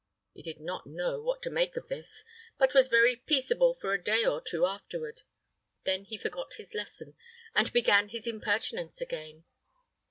He did not know what to make of this, but was very peaceable for a day or two afterward. Then he forgot his lesson, and began his impertinence again.